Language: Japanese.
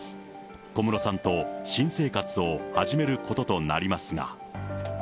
小室さんと新生活を始めることとなりますが。